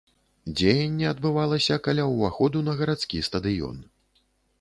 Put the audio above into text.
Дзеянне адбывалася каля ўваходу на гарадскі стадыён.